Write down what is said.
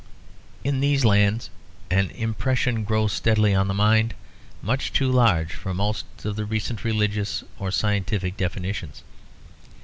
In these lands an impression grows steadily on the mind much too large for most of the recent religious or scientific definitions.